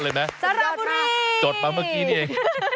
สุดยอดมากจดมาเมื่อกี้นี่เอง